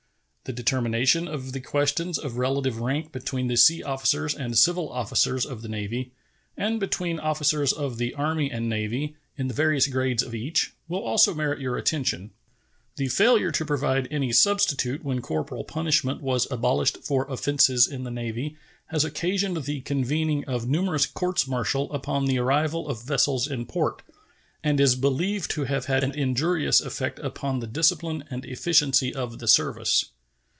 The determination of the questions of relative rank between the sea officers and civil officers of the Navy, and between officers of the Army and Navy, in the various grades of each, will also merit your attention. The failure to provide any substitute when corporal punishment was abolished for offenses in the Navy has occasioned the convening of numerous courts martial upon the arrival of vessels in port, and is believed to have had an injurious effect upon the discipline and efficiency of the service.